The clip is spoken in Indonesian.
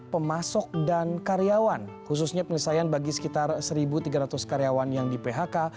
pemasok dan karyawan khususnya penyelesaian bagi sekitar satu tiga ratus karyawan yang di phk